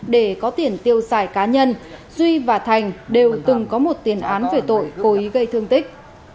để có tiền tiêu xài cá nhân duy và thành đều từng có một tiền án về tội cố ý gây thương tích